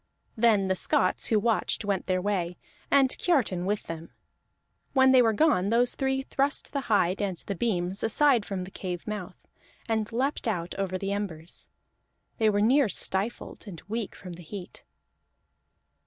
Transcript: Then the Scots who watched went their way, and Kiartan with them. When they were gone, those three thrust the hide and the beams aside from the cave mouth, and leaped out over the embers. They were near stifled, and weak from the heat.